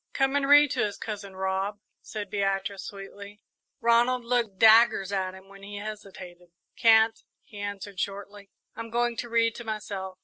"Come and read to us, Cousin Rob," said Beatrice, sweetly. Ronald looked daggers at him when he hesitated. "Can't," he answered shortly; "I'm going to read to myself."